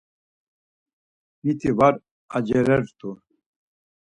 Miti var acerert̆u.